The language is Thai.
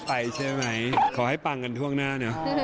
ไปใช่ไหมขอให้ปังกันทั่วหน้าเนอะ